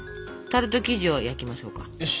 タルト生地を焼きましょうか。